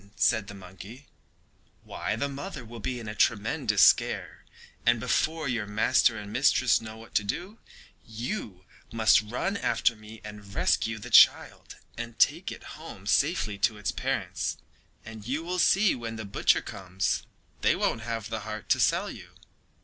said the monkey. "Why the mother will be in a tremendous scare, and before your master and mistress know what to do, you must run after me and rescue the child and take it home safely to its parents, and you will see that when the butcher comes they won't have the heart to sell you."